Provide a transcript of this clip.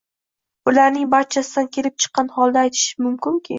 Bularning barchasidan kelib chiqqan holda aytish mumkinki